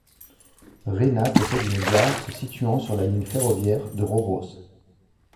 Rena possède une gare se situant sur la ligne ferroviaire de Røros.